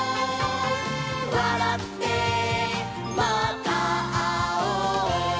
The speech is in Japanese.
「わらってまたあおう」